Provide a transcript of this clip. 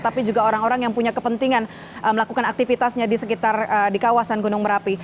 tapi juga orang orang yang punya kepentingan melakukan aktivitasnya di sekitar di kawasan gunung merapi